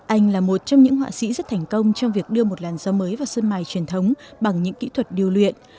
anh là một trong những họa sĩ rất thành công trong việc đưa một làn gió mới vào sơn mài truyền thống bằng những kỹ thuật điều luyện